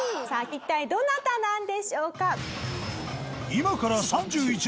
一体どなたなんでしょうか？